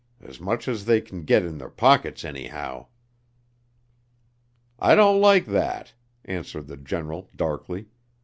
As much as they can git in their pockets, anyhow." "I don't like that," answered the General, darkly.